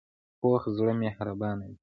پوخ زړه مهربانه وي